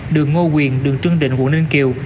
đường ngô quyền đường trương định quận ninh kiều